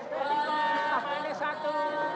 wah ini satu